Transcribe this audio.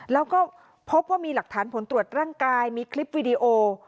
แล้วก็พบว่ามีหลักฐานผลตรวจร่างกายมีคลิปวิดีโอ